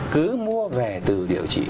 cứ mua về từ điều trị